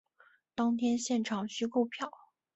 当天现场须购票